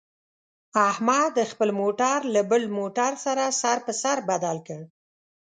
احمد خپل موټر له بل موټر سره سر په سر بدل کړ.